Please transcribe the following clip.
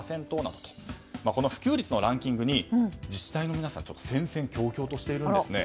この普及率のランキングに自治体の皆さんは戦々恐々としているんですね。